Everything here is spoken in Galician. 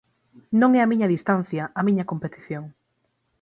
Non é a miña distancia, a miña competición.